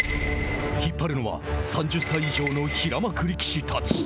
引っ張るのは３０歳以上の平幕力士たち。